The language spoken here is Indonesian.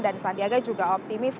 dan sandiaga juga optimis